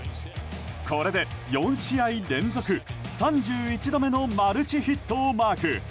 これで、４試合連続３１度目のマルチヒットをマーク。